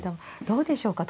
どうでしょうか。